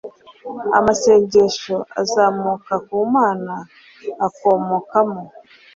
amasengesho, azamuka ku mana akomokamo